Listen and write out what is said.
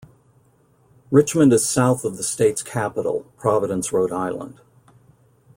Richmond is south of the state's capital, Providence, Rhode Island.